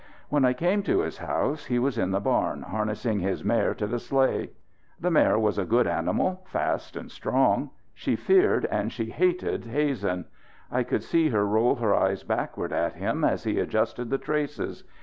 When I came to his house he was in the barn harnessing his mare to the sleigh. The mare was a good animal, fast and strong. She feared and she hated Hazen. I could see her roll her eyes backward at him as he adjusted the traces.